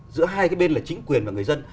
giữa hai cái bên là chính quyền và người dân